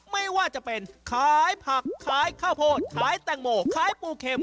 ไม่ว่าจะเป็นขายผักขายข้าวโพดขายแตงโมขายปูเข็ม